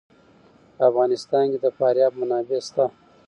په افغانستان کې د فاریاب منابع شته.